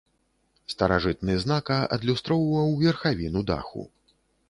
Старажытны знака адлюстроўваў верхавіну даху.